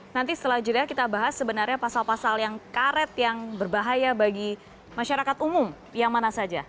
nanti setelah jeda kita bahas sebenarnya pasal pasal yang karet yang berbahaya bagi masyarakat umum yang mana saja